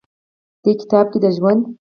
دې کتاب کښې د ژوند